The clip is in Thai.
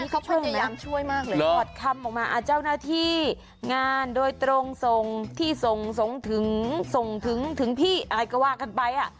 เขาพยายามช่วยมากเลยถอดคำออกมาเจ้าหน้าที่งานโดยตรงส่งที่ส่งส่งถึงส่งถึงถึงพี่อะไรก็ว่ากันไป